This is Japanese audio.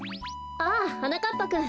ああはなかっぱくん